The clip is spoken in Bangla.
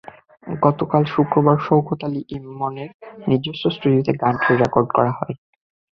গতকাল শুক্রবার শওকত আলী ইমনের নিজস্ব স্টুডিওতে গানটির রেকর্ডিং করা হয়।